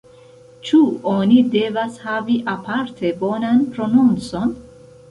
Ĉu oni devas havi aparte bonan prononcon?